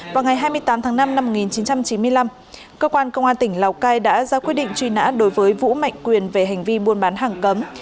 vào ngày hai mươi tám tháng năm năm một nghìn chín trăm chín mươi năm cơ quan công an tỉnh lào cai đã ra quyết định truy nã đối với vũ mạnh quyền về hành vi buôn bán hàng cấm